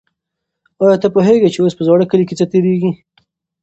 آیا ته پوهېږې چې اوس په زاړه کلي کې څه تېرېږي؟